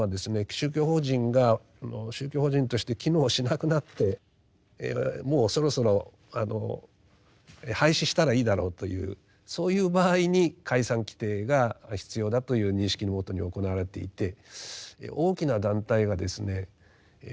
宗教法人が宗教法人として機能しなくなってもうそろそろ廃止したらいいだろうというそういう場合に解散規定が必要だという認識のもとに行われていて大きな団体がですね